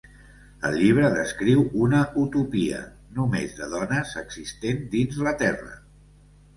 El llibre descriu una 'utopia' només de dones existent dins la Terra.